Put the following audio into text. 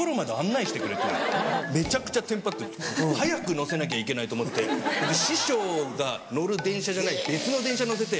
めちゃくちゃテンパって早く乗せなきゃいけないと思って師匠が乗る電車じゃない別の電車に乗せて。